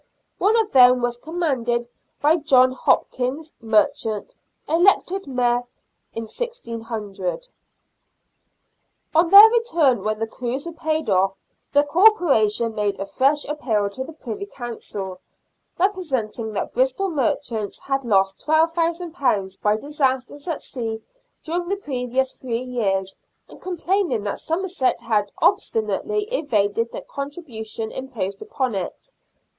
One of them was commanded by John Hopkins, merchant, elected Mayor in 1600. On their return, when the crews were paid off, the Corporation made a fresh appeal to the Privy Council, representing that Bristol merchants had lost £12,000 by disasters at sea during the previous three years, and com plaining that Somerset had obstinately evaded the contribution imposed upon it.